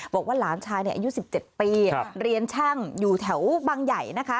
บอกว่าหลานชายอายุ๑๗ปีเรียนช่างอยู่แถวบางใหญ่นะคะ